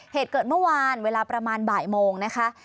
เหตุเกิดเมื่อวานเวลาประมาณบ่ายโมงนะคะ